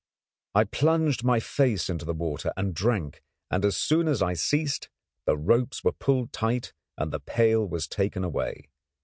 I plunged my face into the water and drank, and as soon as I ceased the ropes were pulled tight and the pail was taken away.